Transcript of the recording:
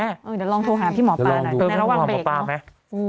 เออเดี๋ยวลองโทรหาพี่หมอปลาหน่อยแล้วระวังเบรกเนอะเดี๋ยวลองโทรหาหมอปลาไหม